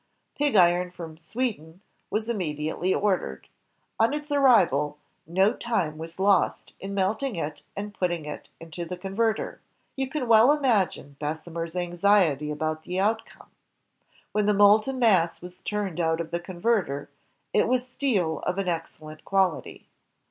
Pig iron from Sweden was immediately ordered. On its arrival, no time was lost in melting it and putting it into the converter. You can well imagine Bessemer 's anxiety about the outcome. When the molten mass was turned out of the converter, it was steel of an excellent quality.